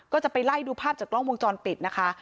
ก็จะไปไล่ดูภาพจากกล้องวงจรปิดนะคะ